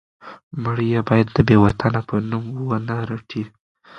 مړی یې باید د بې وطنه په نوم ونه رټي.